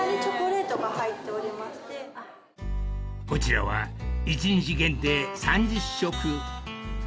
［こちらは一日限定３０食］